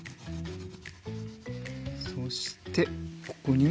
そしてここに。